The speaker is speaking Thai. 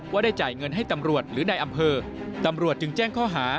ได้จ่ายเงินให้ตำรวจหรือในอำเภอตำรวจจึงแจ้งข้อหา